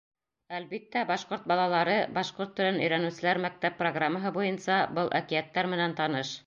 Әлбиттә, башҡорт балалары, башҡорт телен өйрәнеүселәр мәктәп программаһы буйынса был әкиәттәр менән таныш.